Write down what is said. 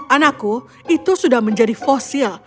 anakku itu sudah menjadi fosil